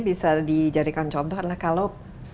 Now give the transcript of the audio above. bisa dijadikan contoh adalah kalau